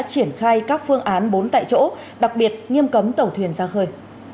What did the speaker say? triển khai các phương án bốn tại chỗ đặc biệt nghiêm cấm tàu thuyền ra khơi